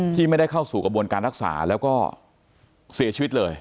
ที่ไม่ได้เข้าสู่กระบวนการรักษาแล้วก็เสียชีวิตเลย